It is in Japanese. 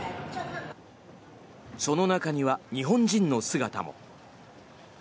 その中には日本人の姿も。